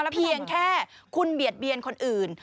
เพียงแค่คุณเบียดเบียนคนอื่น